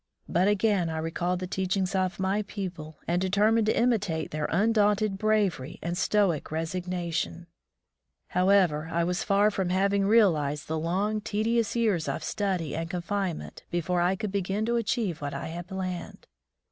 But again I recalled the teachings of my people, and determined to imitate their undaunted bravery and stoic resignation. 26 My First School Days However, I was far from having realized the long, tedious years of study and confine ment before I could begin to achieve what I had planned.